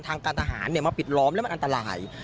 ทางการทหารมาปิดล้อมแล้วมันอันตราย